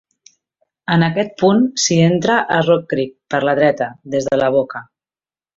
En aquest punt, s'hi entra a Rock Creek per la dreta, des de la boca.